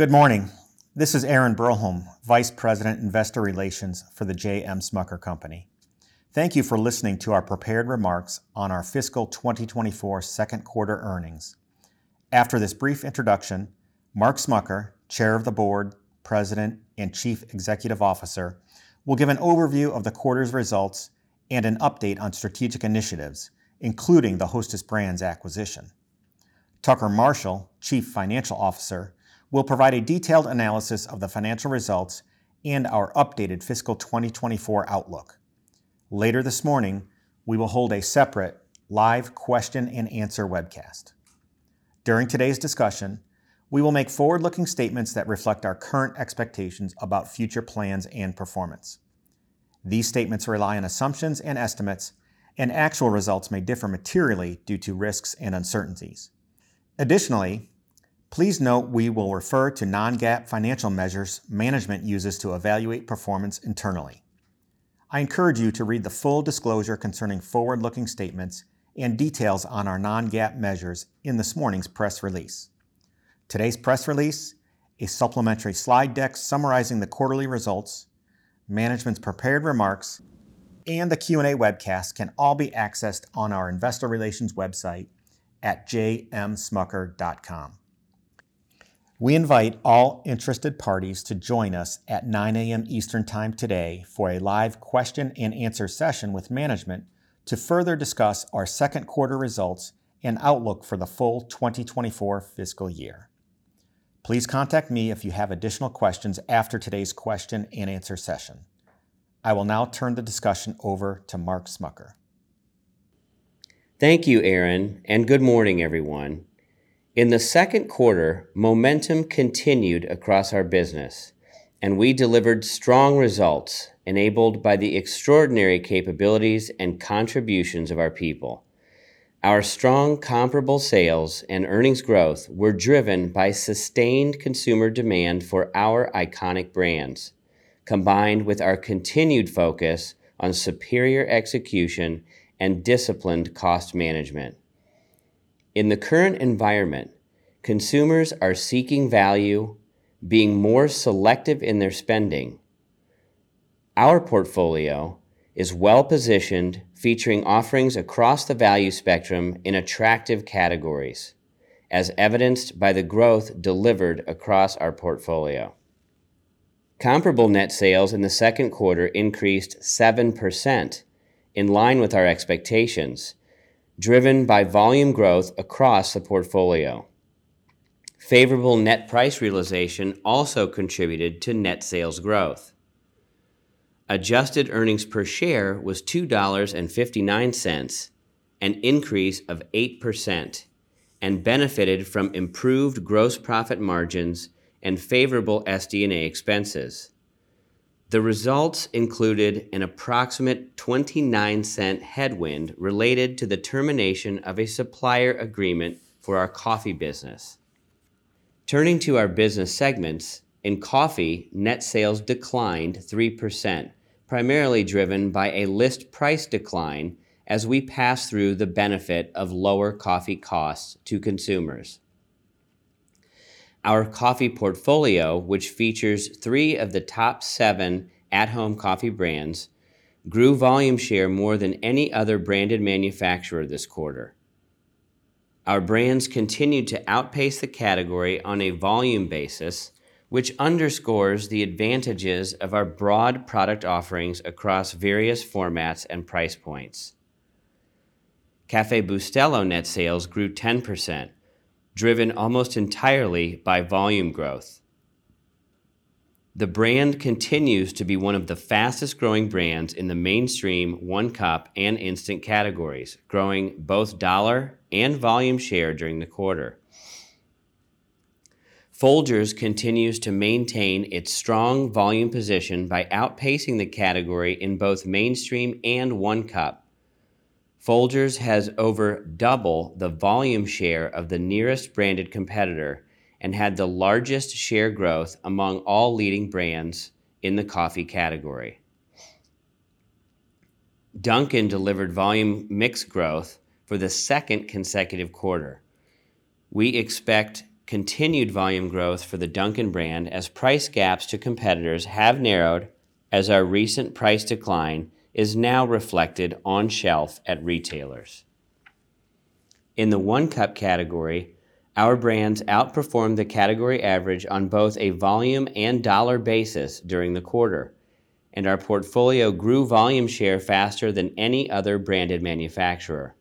Good morning. This is Aaron Broholm, Vice President, Investor Relations for The J.M. Smucker Company. Thank you for listening to our prepared remarks on our fiscal 2024 second quarter earnings. After this brief introduction, Mark Smucker, Chair of the Board, President, and Chief Executive Officer, will give an overview of the quarter's results and an update on strategic initiatives, including the Hostess Brands acquisition. Tucker Marshall, Chief Financial Officer, will provide a detailed analysis of the financial results and our updated fiscal 2024 outlook. Later this morning, we will hold a separate live question-and-answer webcast. During today's discussion, we will make forward-looking statements that reflect our current expectations about future plans and performance. These statements rely on assumptions and estimates, and actual results may differ materially due to risks and uncertainties. Additionally, please note we will refer to non-GAAP financial measures management uses to evaluate performance internally. I encourage you to read the full disclosure concerning forward-looking statements and details on our non-GAAP measures in this morning's press release. Today's press release, a supplementary slide deck summarizing the quarterly results, management's prepared remarks, and the Q&A webcast can all be accessed on our investor relations website at jmsmucker.com. We invite all interested parties to join us at 9:00 A.M. Eastern Time today for a live question-and-answer session with management to further discuss our second quarter results and outlook for the full 2024 fiscal year. Please contact me if you have additional questions after today's question-and-answer session. I will now turn the discussion over to Mark Smucker. Thank you, Aaron, and good morning, everyone. In the second quarter, momentum continued across our business, and we delivered strong results enabled by the extraordinary capabilities and contributions of our people. Our strong comparable sales and earnings growth were driven by sustained consumer demand for our iconic brands, combined with our continued focus on superior execution and disciplined cost management. In the current environment, consumers are seeking value, being more selective in their spending. Our portfolio is well-positioned, featuring offerings across the value spectrum in attractive categories, as evidenced by the growth delivered across our portfolio. Comparable net sales in the second quarter increased 7%, in line with our expectations, driven by volume growth across the portfolio. Favorable net price realization also contributed to net sales growth. Adjusted earnings per share was $2.59, an increase of 8%, and benefited from improved gross profit margins and favorable SD&A expenses. The results included an approximate $0.29 headwind related to the termination of a supplier agreement for our coffee business. Turning to our business segments, in Coffee, net sales declined 3%, primarily driven by a list price decline as we pass through the benefit of lower coffee costs to consumers. Our Coffee portfolio, which features three of the top seven at-home coffee brands, grew volume share more than any other branded manufacturer this quarter. Our brands continued to outpace the category on a volume basis, which underscores the advantages of our broad product offerings across various formats and price points. Café Bustelo net sales grew 10%, driven almost entirely by volume growth. The brand continues to be one of the fastest-growing brands in the mainstream one-cup and instant categories, growing both dollar and volume share during the quarter. Folgers continues to maintain its strong volume position by outpacing the category in both mainstream and one-cup. Folgers has over double the volume share of the nearest branded competitor and had the largest share growth among all leading brands in the Coffee category. Dunkin' delivered volume mix growth for the second consecutive quarter. We expect continued volume growth for the Dunkin' brand as price gaps to competitors have narrowed, as our recent price decline is now reflected on shelf at retailers. In the one-cup category, our brands outperformed the category average on both a volume and dollar basis during the quarter, and our portfolio grew volume share faster than any other branded manufacturer.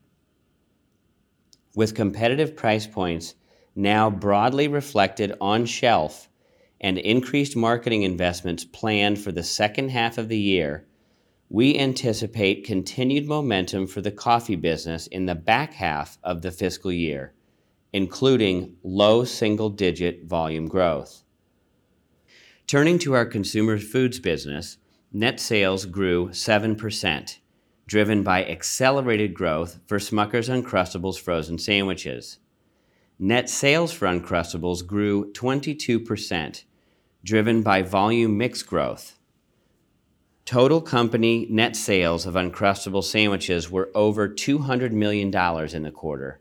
With competitive price points now broadly reflected on shelf and increased marketing investments planned for the second half of the year, we anticipate continued momentum for the coffee business in the back half of the fiscal year, including low single-digit volume growth. Turning to our Consumer Foods business, net sales grew 7%, driven by accelerated growth for Smucker's Uncrustables frozen sandwiches. Net sales for Uncrustables grew 22%, driven by volume mix growth. Total company net sales of Uncrustables sandwiches were over $200 million in the quarter.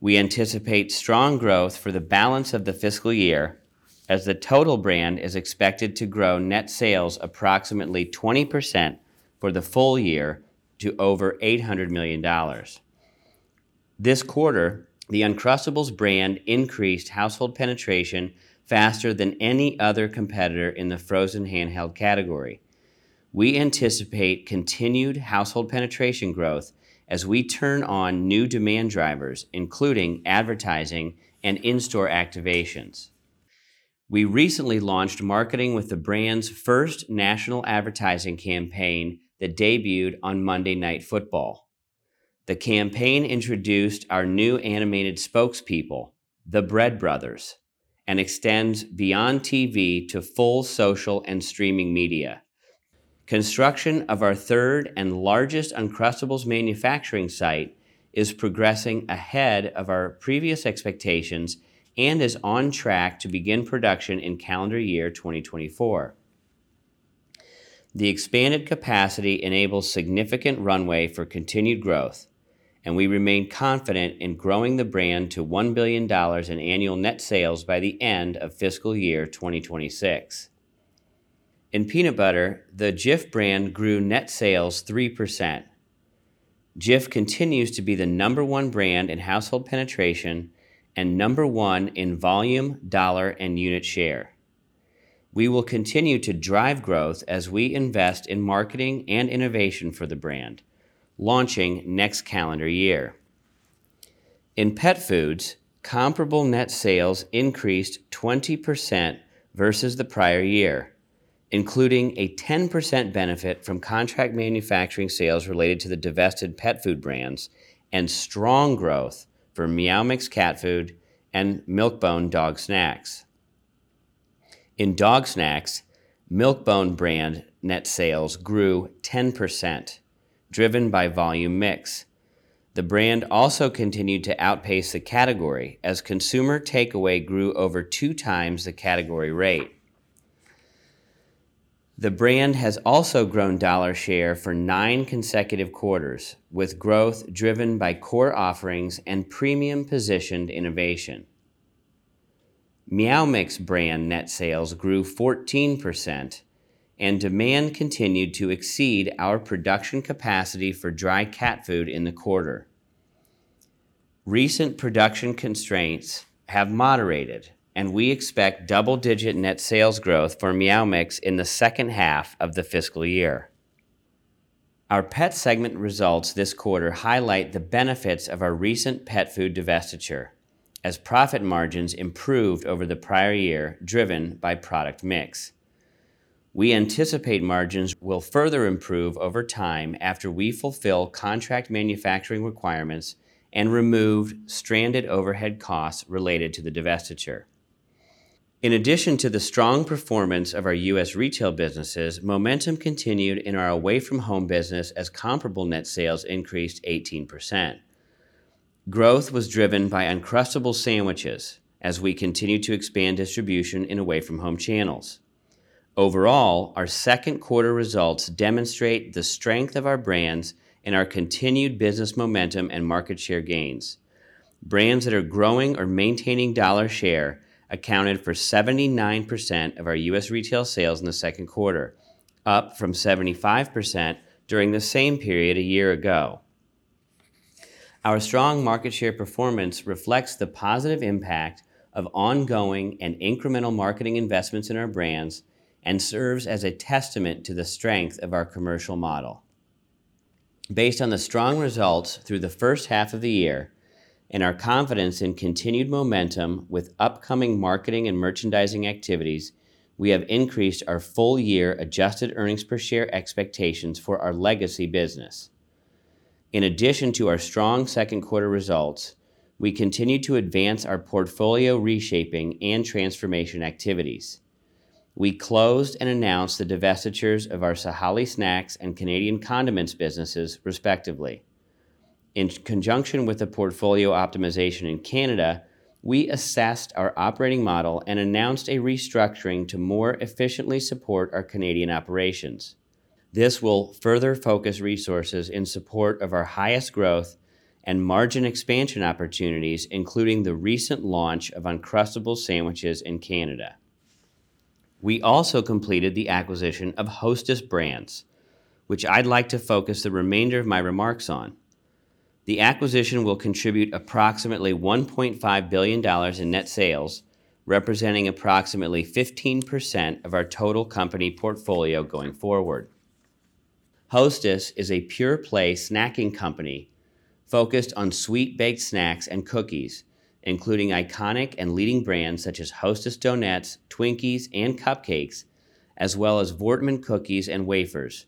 We anticipate strong growth for the balance of the fiscal year, as the total brand is expected to grow net sales approximately 20% for the full year to over $800 million. This quarter, the Uncrustables brand increased household penetration faster than any other competitor in the frozen handheld category. We anticipate continued household penetration growth as we turn on new demand drivers, including advertising and in-store activations. We recently launched marketing with the brand's first national advertising campaign that debuted on Monday Night Football. The campaign introduced our new animated spokespeople, the Bread Brothers, and extends beyond TV to full social and streaming media. Construction of our third and largest Uncrustables manufacturing site is progressing ahead of our previous expectations and is on track to begin production in calendar year 2024. The expanded capacity enables significant runway for continued growth, and we remain confident in growing the brand to $1 billion in annual net sales by the end of fiscal year 2026. In peanut butter, the Jif brand grew net sales 3%. Jif continues to be the number one brand in household penetration and number one in volume, dollar, and unit share. We will continue to drive growth as we invest in marketing and innovation for the brand, launching next calendar year. In Pet Foods, comparable net sales increased 20% versus the prior year, including a 10% benefit from contract manufacturing sales related to the divested pet food brands and strong growth for Meow Mix cat food and Milk-Bone dog snacks. In dog snacks, Milk-Bone brand net sales grew 10%, driven by volume mix. The brand also continued to outpace the category as consumer takeaway grew over 2x the category rate. The brand has also grown dollar share for nine consecutive quarters, with growth driven by core offerings and premium-positioned innovation. Meow Mix brand net sales grew 14%, and demand continued to exceed our production capacity for dry cat food in the quarter. Recent production constraints have moderated, and we expect double-digit net sales growth for Meow Mix in the second half of the fiscal year. Our Pet segment results this quarter highlight the benefits of our recent pet food divestiture, as profit margins improved over the prior year, driven by product mix. We anticipate margins will further improve over time after we fulfill contract manufacturing requirements and remove stranded overhead costs related to the divestiture. In addition to the strong performance of our U.S. Retail businesses, momentum continued Away From Home business as comparable net sales increased 18%. Growth was driven by Uncrustables sandwiches as we continued to expand Away From Home channels. overall, our second quarter results demonstrate the strength of our brands and our continued business momentum and market share gains. Brands that are growing or maintaining dollar share accounted for 79% of our U.S. Retail sales in the second quarter, up from 75% during the same period a year ago. Our strong market share performance reflects the positive impact of ongoing and incremental marketing investments in our brands and serves as a testament to the strength of our commercial model. Based on the strong results through the first half of the year and our confidence in continued momentum with upcoming marketing and merchandising activities, we have increased our full-year adjusted earnings per share expectations for our legacy business. In addition to our strong second-quarter results, we continued to advance our portfolio reshaping and transformation activities. We closed and announced the divestitures of our Sahale Snacks and Canadian condiments businesses, respectively. In conjunction with the portfolio optimization in Canada, we assessed our operating model and announced a restructuring to more efficiently support our Canadian operations. This will further focus resources in support of our highest growth and margin expansion opportunities, including the recent launch of Uncrustables sandwiches in Canada. We also completed the acquisition of Hostess Brands, which I'd like to focus the remainder of my remarks on. The acquisition will contribute approximately $1.5 billion in net sales, representing approximately 15% of our total Company portfolio going forward. Hostess is a pure-play snacking company focused on sweet baked snacks and cookies, including iconic and leading brands such as Hostess Donuts, Twinkies, and CupCakes, as well as Voortman cookies and wafers,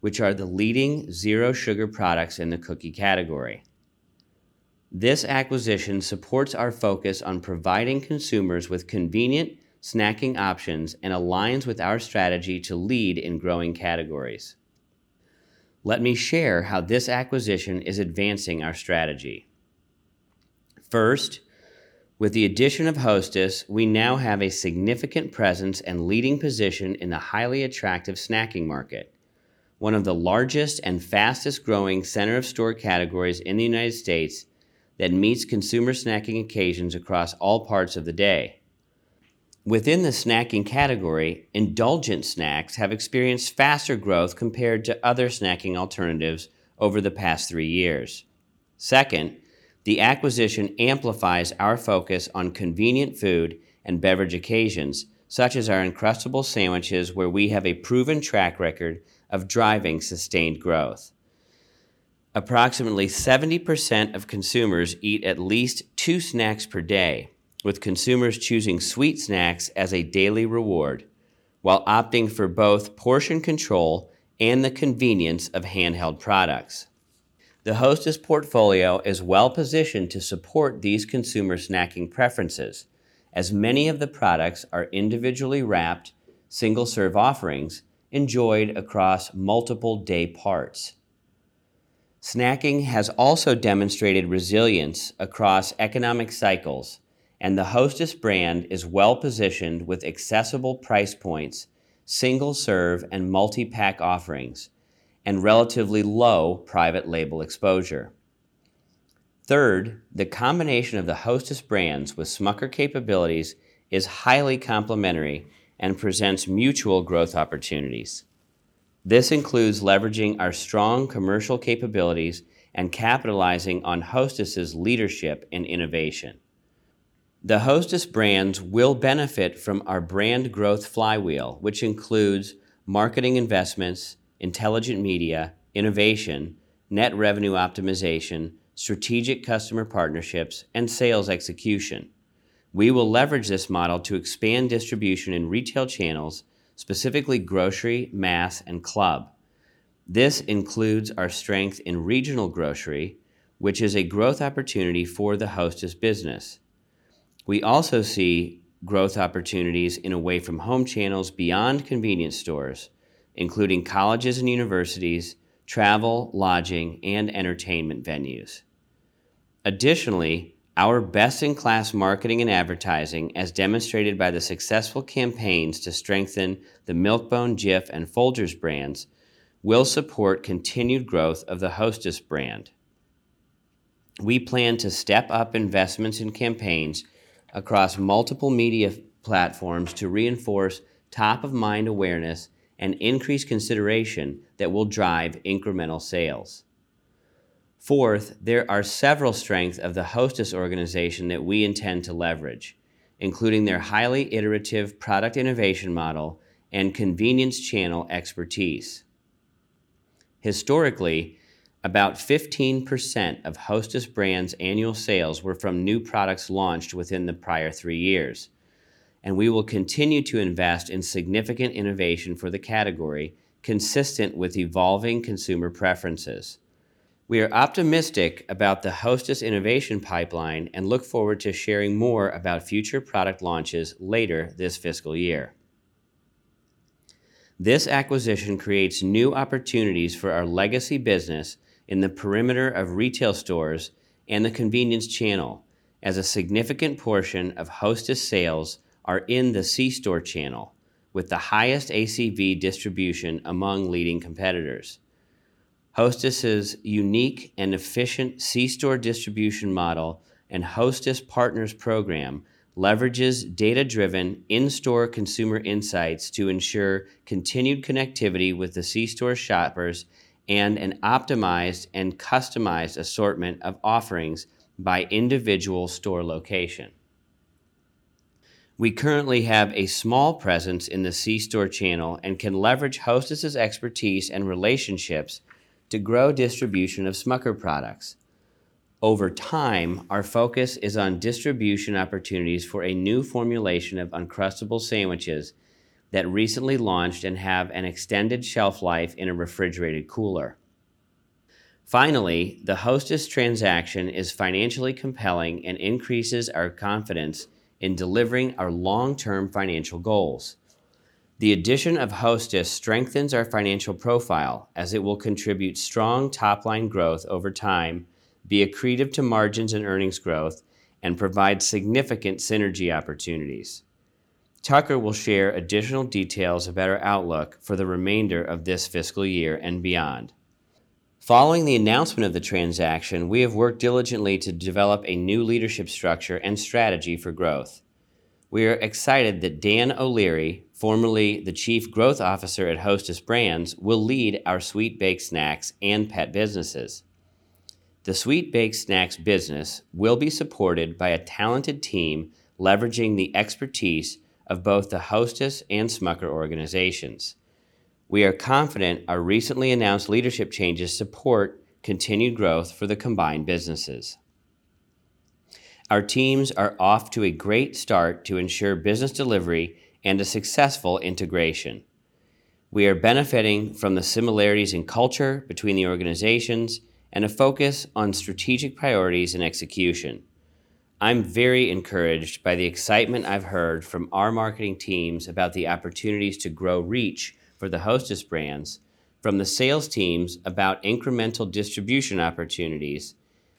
which are the leading zero-sugar products in the cookie category. This acquisition supports our focus on providing consumers with convenient snacking options and aligns with our strategy to lead in growing categories. Let me share how this acquisition is advancing our strategy. First, with the addition of Hostess, we now have a significant presence and leading position in the highly attractive snacking market, one of the largest and fastest-growing center-of-store categories in the United States that meets consumer snacking occasions across all parts of the day. Within the snacking category, indulgent snacks have experienced faster growth compared to other snacking alternatives over the past three years. Second, the acquisition amplifies our focus on convenient food and beverage occasions, such as our Uncrustables sandwiches, where we have a proven track record of driving sustained growth. Approximately 70% of consumers eat at least two snacks per day, with consumers choosing sweet snacks as a daily reward, while opting for both portion control and the convenience of handheld products. The Hostess portfolio is well-positioned to support these consumer snacking preferences, as many of the products are individually wrapped, single-serve offerings enjoyed across multiple day parts. Snacking has also demonstrated resilience across economic cycles, and the Hostess Brands is well-positioned with accessible price points, single-serve and multi-pack offerings, and relatively low private label exposure. Third, the combination of the Hostess Brands with Smucker's capabilities is highly complementary and presents mutual growth opportunities. This includes leveraging our strong commercial capabilities and capitalizing on Hostess's leadership and innovation. The Hostess Brands will benefit from our brand growth flywheel, which includes marketing investments, intelligent media, innovation, net revenue optimization, strategic customer partnerships, and sales execution. We will leverage this model to expand distribution in retail channels, specifically grocery, mass, and club. This includes our strength in regional grocery, which is a growth opportunity for the Hostess business. We also see growth Away From Home channels beyond convenience stores, including colleges and universities, travel, lodging, and entertainment venues. Additionally, our best-in-class marketing and advertising, as demonstrated by the successful campaigns to strengthen the Milk-Bone, Jif, and Folgers brands, will support continued growth of the Hostess brand. We plan to step up investments in campaigns across multiple media platforms to reinforce top-of-mind awareness and increase consideration that will drive incremental sales. Fourth, there are several strengths of the Hostess organization that we intend to leverage, including their highly iterative product innovation model and convenience channel expertise. Historically, about 15% of Hostess Brands' annual sales were from new products launched within the prior three years, and we will continue to invest in significant innovation for the category, consistent with evolving consumer preferences. We are optimistic about the Hostess innovation pipeline and look forward to sharing more about future product launches later this fiscal year. This acquisition creates new opportunities for our legacy business in the perimeter of retail stores and the convenience channel, as a significant portion of Hostess sales are in the C-store channel, with the highest ACV distribution among leading competitors. Hostess's unique and efficient C-store distribution model and Hostess Partners Program leverages data-driven, in-store consumer insights to ensure continued connectivity with the C-store shoppers and an optimized and customized assortment of offerings by individual store location. We currently have a small presence in the C-store channel and can leverage Hostess's expertise and relationships to grow distribution of Smucker products. Over time, our focus is on distribution opportunities for a new formulation of Uncrustables sandwiches that recently launched and have an extended shelf life in a refrigerated cooler. Finally, the Hostess transaction is financially compelling and increases our confidence in delivering our long-term financial goals. The addition of Hostess strengthens our financial profile, as it will contribute strong top-line growth over time, be accretive to margins and earnings growth, and provide significant synergy opportunities. Tucker will share additional details about our outlook for the remainder of this fiscal year and beyond. Following the announcement of the transaction, we have worked diligently to develop a new leadership structure and strategy for growth. We are excited that Dan O'Leary, formerly the Chief Growth Officer at Hostess Brands, will lead our sweet baked snacks and pet businesses. The sweet baked snacks business will be supported by a talented team, leveraging the expertise of both the Hostess and Smucker's organizations. We are confident our recently announced leadership changes support continued growth for the combined businesses. Our teams are off to a great start to ensure business delivery and a successful integration. We are benefiting from the similarities in culture between the organizations and a focus on strategic priorities and execution. I'm very encouraged by the excitement I've heard from our marketing teams about the opportunities to grow reach for the Hostess Brands. From the sales teams about incremental distribution opportunities,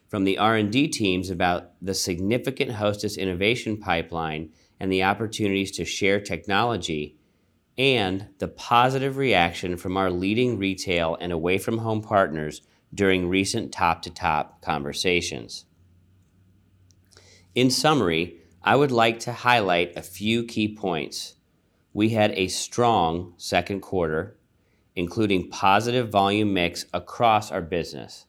from the R&D teams about the significant Hostess innovation pipeline and the opportunities to share technology, and the positive reaction from our leading Away From Home partners during recent top-to-top conversations. In summary, I would like to highlight a few key points. We had a strong second quarter, including positive volume mix across our business.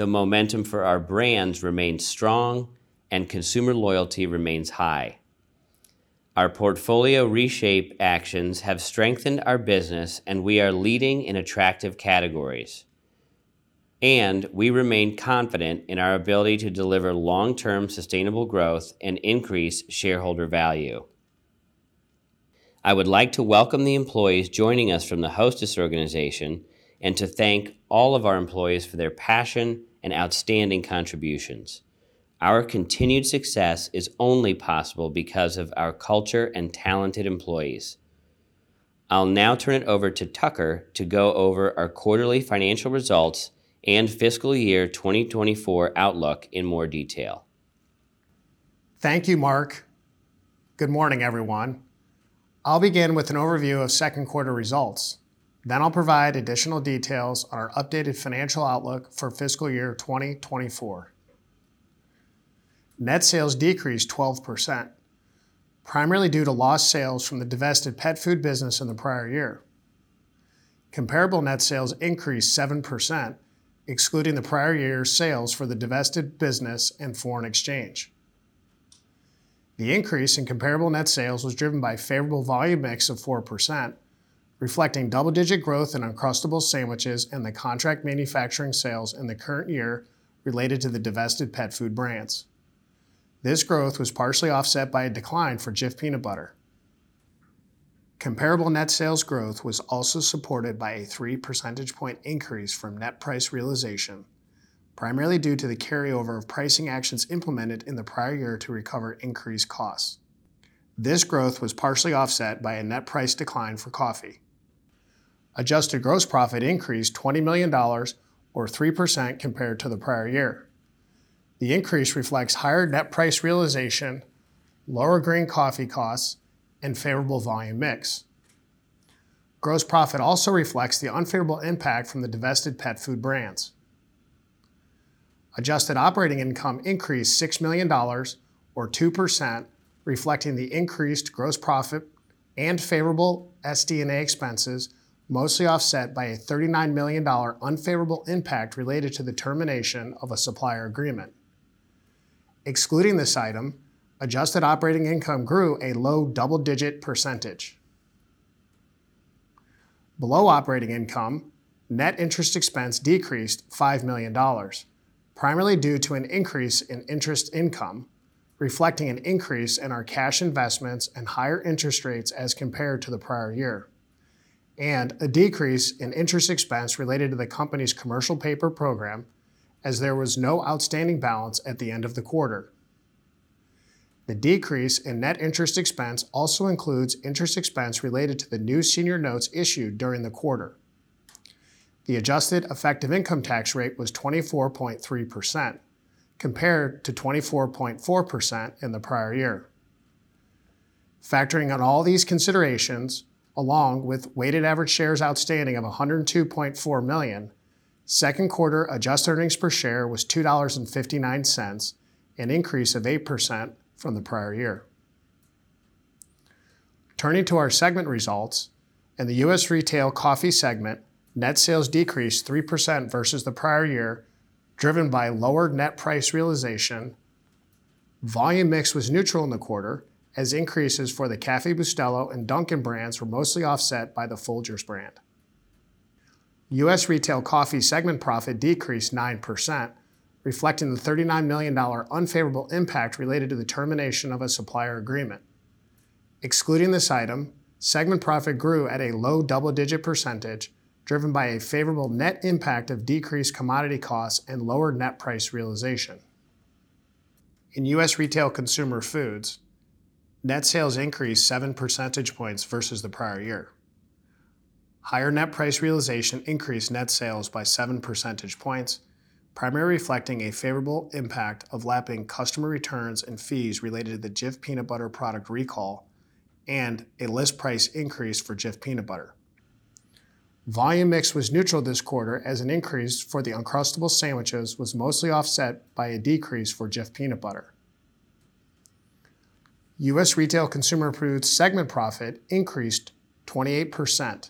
The momentum for our brands remains strong, and consumer loyalty remains high. Our portfolio reshape actions have strengthened our business, and we are leading in attractive categories, and we remain confident in our ability to deliver long-term sustainable growth and increase shareholder value. I would like to welcome the employees joining us from the Hostess organization and to thank all of our employees for their passion and outstanding contributions. Our continued success is only possible because of our culture and talented employees. I'll now turn it over to Tucker to go over our quarterly financial results and fiscal year 2024 outlook in more detail. Thank you, Mark. Good morning, everyone. I'll begin with an overview of second-quarter results, then I'll provide additional details on our updated financial outlook for fiscal year 2024. Net sales decreased 12%, primarily due to lost sales from the divested pet food business in the prior year. Comparable net sales increased 7%, excluding the prior year's sales for the divested business and foreign exchange. The increase in comparable net sales was driven by favorable volume mix of 4%, reflecting double-digit growth in Uncrustables sandwiches and the contract manufacturing sales in the current year related to the divested pet food brands. This growth was partially offset by a decline for Jif Peanut Butter. Comparable net sales growth was also supported by a 3 percentage point increase from net price realization, primarily due to the carryover of pricing actions implemented in the prior year to recover increased costs. This growth was partially offset by a net price decline for coffee. Adjusted gross profit increased $20 million or 3% compared to the prior year. The increase reflects higher net price realization, lower green coffee costs, and favorable volume mix. Gross profit also reflects the unfavorable impact from the divested pet food brands. Adjusted operating income increased $6 million or 2%, reflecting the increased gross profit and favorable SD&A expenses, mostly offset by a $39 million unfavorable impact related to the termination of a supplier agreement. Excluding this item, adjusted operating income grew a low double-digit percentage. Below operating income, net interest expense decreased $5 million, primarily due to an increase in interest income, reflecting an increase in our cash investments and higher interest rates as compared to the prior year, and a decrease in interest expense related to the company's commercial paper program, as there was no outstanding balance at the end of the quarter. The decrease in net interest expense also includes interest expense related to the new senior notes issued during the quarter. The adjusted effective income tax rate was 24.3%, compared to 24.4% in the prior year. Factoring in all these considerations, along with weighted average shares outstanding of 102.4 million, second quarter adjusted earnings per share was $2.59, an increase of 8% from the prior year. Turning to our segment results, in the U.S. Retail Coffee segment, net sales decreased 3% versus the prior year, driven by lower net price realization. Volume mix was neutral in the quarter as increases for the Café Bustelo and Dunkin' brands were mostly offset by the Folgers brand. U.S. Retail Coffee segment profit decreased 9%, reflecting the $39 million unfavorable impact related to the termination of a supplier agreement. Excluding this item, segment profit grew at a low double-digit percentage, driven by a favorable net impact of decreased commodity costs and lower net price realization. In U.S. Retail Consumer Foods, net sales increased 7 percentage points versus the prior year. Higher net price realization increased net sales by 7 percentage points, primarily reflecting a favorable impact of lapping customer returns and fees related to the Jif Peanut Butter product recall and a list price increase for Jif Peanut Butter. Volume mix was neutral this quarter as an increase for the Uncrustables sandwiches was mostly offset by a decrease for Jif Peanut Butter. U.S. Retail Consumer Foods segment profit increased 28%,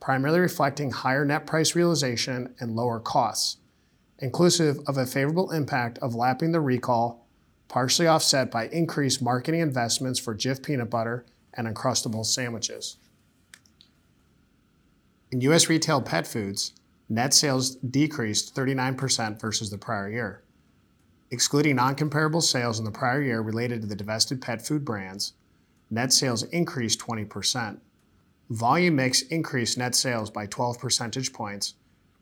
primarily reflecting higher net price realization and lower costs, inclusive of a favorable impact of lapping the recall, partially offset by increased marketing investments for Jif Peanut Butter and Uncrustables sandwiches. In U.S. Retail Pet Foods, net sales decreased 39% versus the prior year. Excluding non-comparable sales in the prior year related to the divested pet food brands, net sales increased 20%. Volume mix increased net sales by 12 percentage points,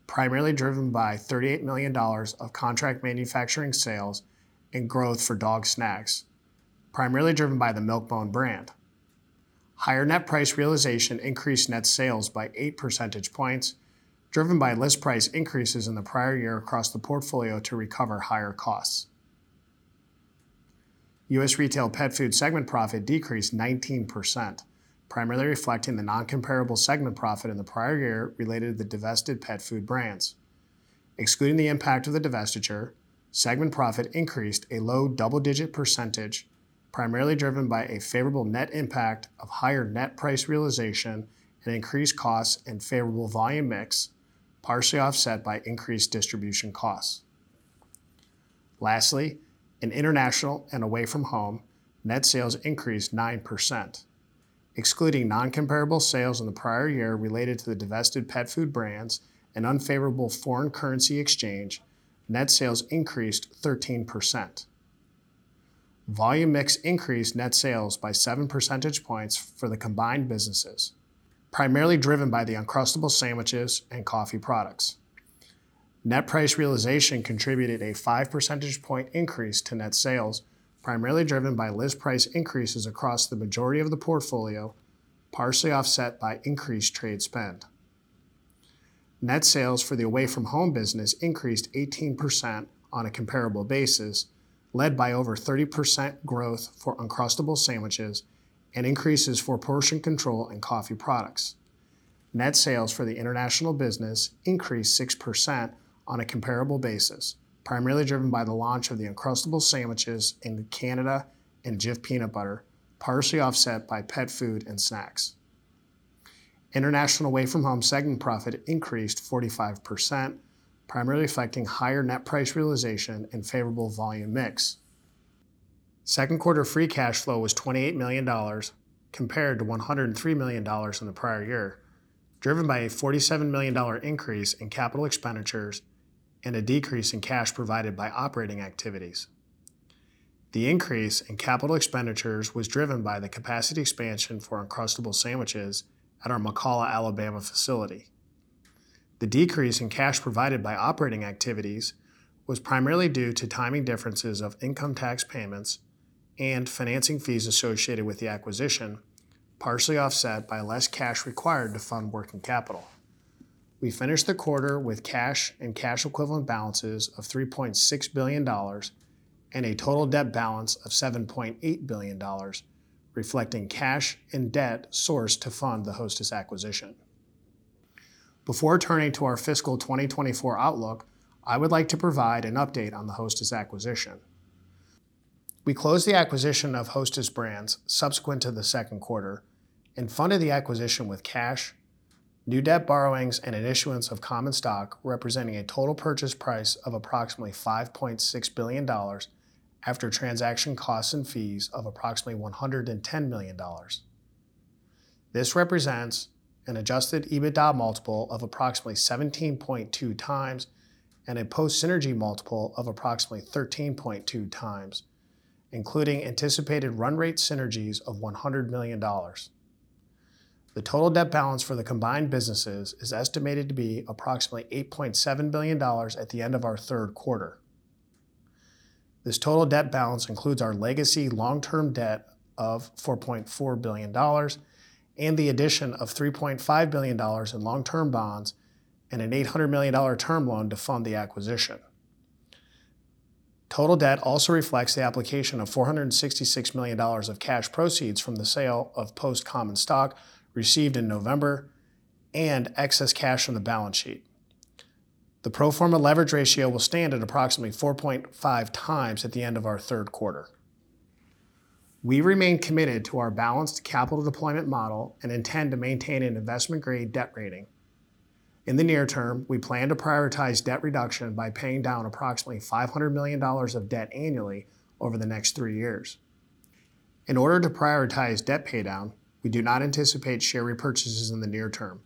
primarily driven by $38 million of contract manufacturing sales and growth for dog snacks, primarily driven by the Milk-Bone brand. Higher net price realization increased net sales by 8 percentage points, driven by list price increases in the prior year across the portfolio to recover higher costs. U.S. Retail Pet Foods segment profit decreased 19%, primarily reflecting the non-comparable segment profit in the prior year related to the divested pet food brands. Excluding the impact of the divestiture, segment profit increased a low double-digit percentage, primarily driven by a favorable net impact of higher net price realization and increased costs and favorable volume mix, partially offset by increased distribution costs. Lastly, in International and Away From Home, net sales increased 9%. Excluding non-comparable sales in the prior year related to the divested pet food brands and unfavorable foreign currency exchange, net sales increased 13%. Volume mix increased net sales by 7 percentage points for the combined businesses, primarily driven by the Uncrustables sandwiches and coffee products. Net price realization contributed a 5 percentage point increase to net sales, primarily driven by list price increases across the majority of the portfolio, partially offset by increased trade spend. Net sales for the Away From Home business increased 18% on a comparable basis, led by over 30% growth for Uncrustables sandwiches and increases for portion control and coffee products. Net sales for the international business increased 6% on a comparable basis, primarily driven by the launch of the Uncrustables sandwiches in Canada and Jif Peanut Butter, partially offset by pet food and snacks. International and Away From Home segment profit increased 45%, primarily affecting higher net price realization and favorable volume mix. Second quarter free cash flow was $28 million, compared to $103 million in the prior year, driven by a $47 million increase in capital expenditures and a decrease in cash provided by operating activities. The increase in capital expenditures was driven by the capacity expansion for Uncrustables sandwiches at our McCalla, Alabama facility. The decrease in cash provided by operating activities was primarily due to timing differences of income tax payments and financing fees associated with the acquisition, partially offset by less cash required to fund working capital. We finished the quarter with cash and cash equivalent balances of $3.6 billion and a total debt balance of $7.8 billion, reflecting cash and debt sourced to fund the Hostess acquisition. Before turning to our fiscal 2024 outlook, I would like to provide an update on the Hostess acquisition. We closed the acquisition of Hostess Brands subsequent to the second quarter and funded the acquisition with cash, new debt borrowings, and an issuance of common stock, representing a total purchase price of approximately $5.6 billion after transaction costs and fees of approximately $110 million. This represents an adjusted EBITDA multiple of approximately 17.2x and a post-synergy multiple of approximately 13.2x, including anticipated run rate synergies of $100 million. The total debt balance for the combined businesses is estimated to be approximately $8.7 billion at the end of our third quarter. This total debt balance includes our legacy long-term debt of $4.4 billion and the addition of $3.5 billion in long-term bonds and an $800 million term loan to fund the acquisition. Total debt also reflects the application of $466 million of cash proceeds from the sale of Post common stock received in November and excess cash on the balance sheet. The pro forma leverage ratio will stand at approximately 4.5x at the end of our third quarter. We remain committed to our balanced capital deployment model and intend to maintain an investment-grade debt rating. In the near term, we plan to prioritize debt reduction by paying down approximately $500 million of debt annually over the next three years. In order to prioritize debt paydown, we do not anticipate share repurchases in the near term,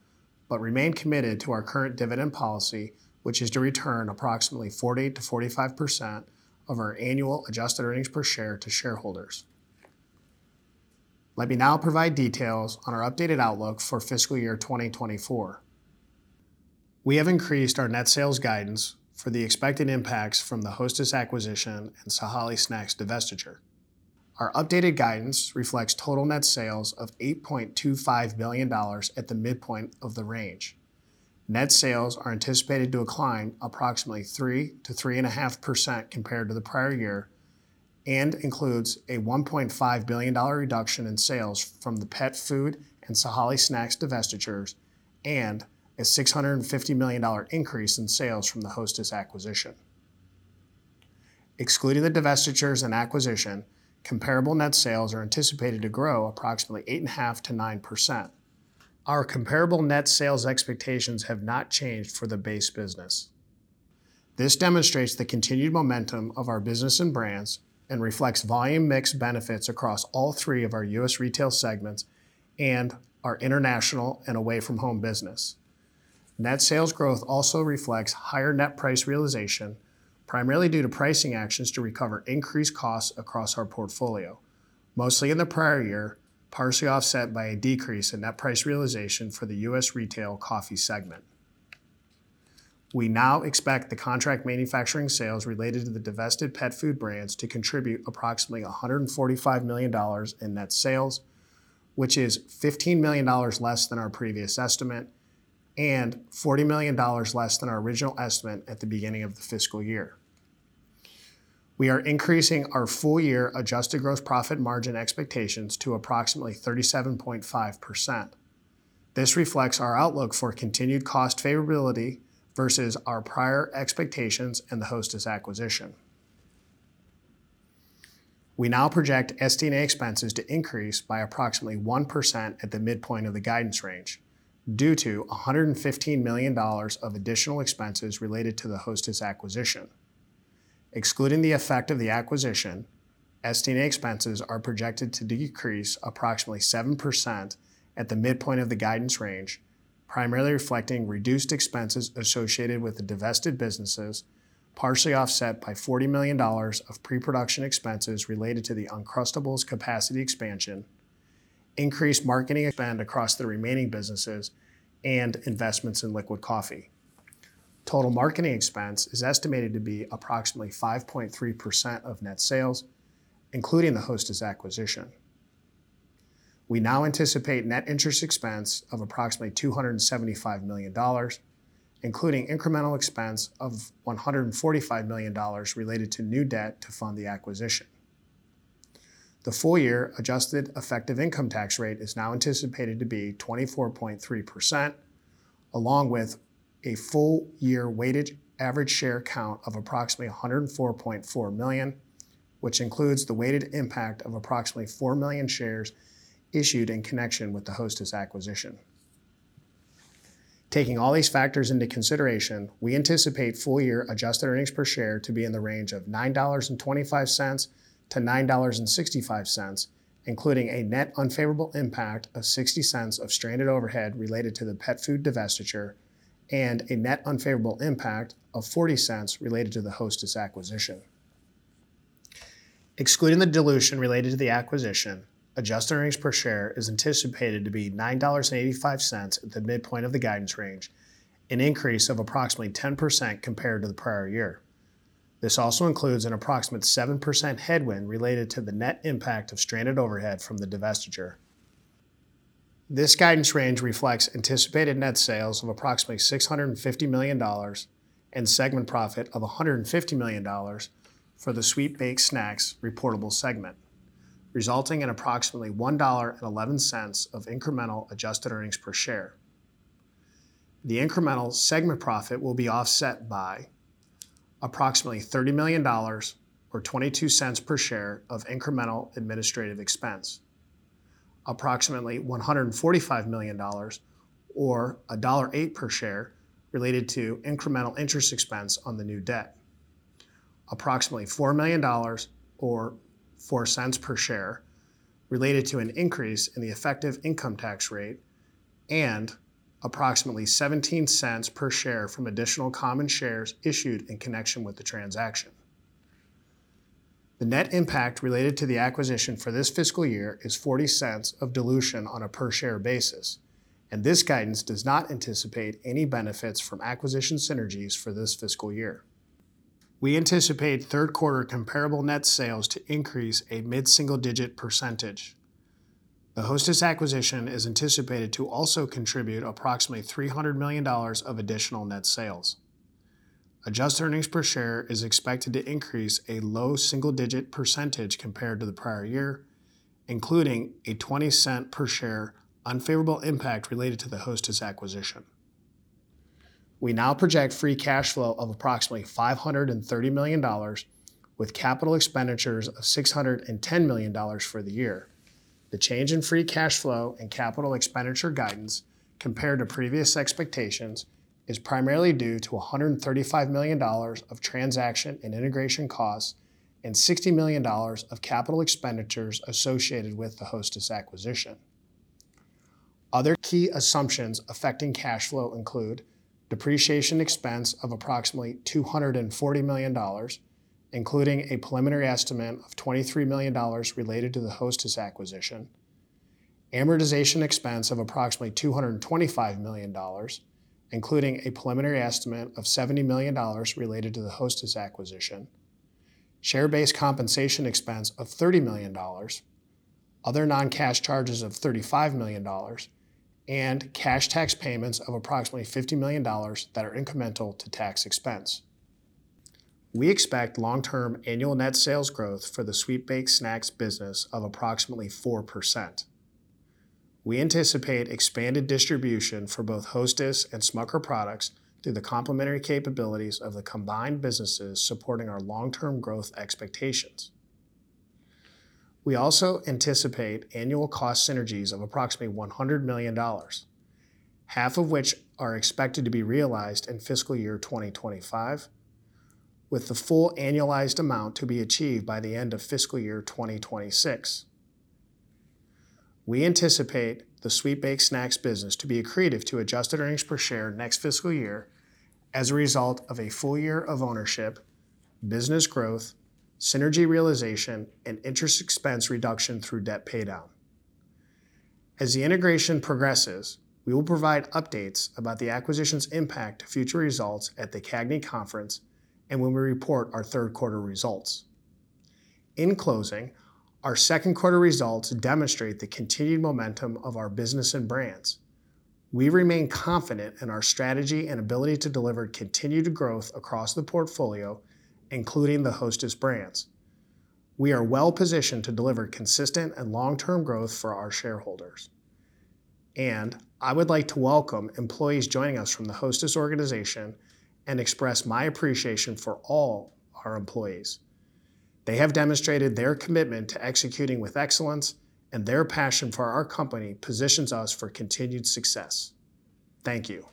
but remain committed to our current dividend policy, which is to return approximately 40%-45% of our annual adjusted earnings per share to shareholders. Let me now provide details on our updated outlook for fiscal year 2024. We have increased our net sales guidance for the expected impacts from the Hostess acquisition and Sahale Snacks divestiture. Our updated guidance reflects total net sales of $8.25 billion at the midpoint of the range. Net sales are anticipated to decline approximately 3%-3.5% compared to the prior year and includes a $1.5 billion reduction in sales from the pet food and Sahale Snacks divestitures, and a $650 million increase in sales from the Hostess acquisition. Excluding the divestitures and acquisition, comparable net sales are anticipated to grow approximately 8.5%-9%. Our comparable net sales expectations have not changed for the base business. This demonstrates the continued momentum of our business and brands and reflects Volume mix benefits across all three of our U.S. Retail segments and our International and Away From Home business. Net sales growth also reflects higher net price realization, primarily due to pricing actions to recover increased costs across our portfolio, mostly in the prior year, partially offset by a decrease in net price realization for the U.S. Retail Coffee segment. We now expect the contract manufacturing sales related to the divested pet food brands to contribute approximately $145 million in net sales, which is $15 million less than our previous estimate and $40 million less than our original estimate at the beginning of the fiscal year. We are increasing our full-year adjusted gross profit margin expectations to approximately 37.5%. This reflects our outlook for continued cost favorability versus our prior expectations and the Hostess acquisition. We now project SD&A expenses to increase by approximately 1% at the midpoint of the guidance range, due to $115 million of additional expenses related to the Hostess acquisition. Excluding the effect of the acquisition, SD&A expenses are projected to decrease approximately 7% at the midpoint of the guidance range, primarily reflecting reduced expenses associated with the divested businesses, partially offset by $40 million of pre-production expenses related to the Uncrustables capacity expansion, increased marketing spend across the remaining businesses, and investments in liquid coffee. Total marketing expense is estimated to be approximately 5.3% of net sales, including the Hostess acquisition. We now anticipate net interest expense of approximately $275 million, including incremental expense of $145 million related to new debt to fund the acquisition. The full-year adjusted effective income tax rate is now anticipated to be 24.3%, along with a full-year weighted average share count of approximately 104.4 million, which includes the weighted impact of approximately 4 million shares issued in connection with the Hostess acquisition. Taking all these factors into consideration, we anticipate full-year adjusted earnings per share to be in the range of $9.25-$9.65, including a net unfavorable impact of $0.60 of stranded overhead related to the pet food divestiture and a net unfavorable impact of $0.40 related to the Hostess acquisition. Excluding the dilution related to the acquisition, adjusted earnings per share is anticipated to be $9.85 at the midpoint of the guidance range, an increase of approximately 10% compared to the prior year. This also includes an approximate 7% headwind related to the net impact of stranded overhead from the divestiture. This guidance range reflects anticipated net sales of approximately $650 million and segment profit of $150 million for the Sweet Baked Snacks reportable segment, resulting in approximately $1.11 of incremental adjusted earnings per share. The incremental segment profit will be offset by approximately $30 million or $0.22 per share of incremental administrative expense. Approximately $145 million or $1.08 per share related to incremental interest expense on the new debt. Approximately $4 million or $0.04 per share related to an increase in the effective income tax rate, and approximately $0.17 per share from additional common shares issued in connection with the transaction. The net impact related to the acquisition for this fiscal year is $0.40 of dilution on a per share basis, and this guidance does not anticipate any benefits from acquisition synergies for this fiscal year. We anticipate third quarter comparable net sales to increase a mid-single-digit percentage. The Hostess acquisition is anticipated to also contribute approximately $300 million of additional net sales. Adjusted earnings per share is expected to increase a low single-digit percentage compared to the prior year, including a $0.20 per share unfavorable impact related to the Hostess acquisition. We now project free cash flow of approximately $530 million, with capital expenditures of $610 million for the year. The change in free cash flow and capital expenditure guidance compared to previous expectations is primarily due to $135 million of transaction and integration costs, and $60 million of capital expenditures associated with the Hostess acquisition. Other key assumptions affecting cash flow include: depreciation expense of approximately $240 million, including a preliminary estimate of $23 million related to the Hostess acquisition. Amortization expense of approximately $225 million, including a preliminary estimate of $70 million related to the Hostess acquisition. Share-based compensation expense of $30 million. Other non-cash charges of $35 million, and cash tax payments of approximately $50 million that are incremental to tax expense. We expect long-term annual net sales growth for the Sweet Baked Snacks business of approximately 4%. We anticipate expanded distribution for both Hostess and Smucker products through the complementary capabilities of the combined businesses supporting our long-term growth expectations. We also anticipate annual cost synergies of approximately $100 million, 1/2 of which are expected to be realized in fiscal year 2025, with the full annualized amount to be achieved by the end of fiscal year 2026. We anticipate the Sweet Baked Snacks business to be accretive to adjusted earnings per share next fiscal year as a result of a full year of ownership, business growth, synergy realization, and interest expense reduction through debt paydown. As the integration progresses, we will provide updates about the acquisition's impact to future results at the CAGNY conference and when we report our third-quarter results. In closing, our second-quarter results demonstrate the continued momentum of our business and brands. We remain confident in our strategy and ability to deliver continued growth across the portfolio, including the Hostess brands. We are well positioned to deliver consistent and long-term growth for our shareholders, and I would like to welcome employees joining us from the Hostess organization and express my appreciation for all our employees. They have demonstrated their commitment to executing with excellence, and their passion for our company positions us for continued success. Thank you!